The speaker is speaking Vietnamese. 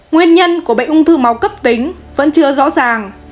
nguyên nhân của bệnh ung thư máu cấp tính vẫn chưa rõ ràng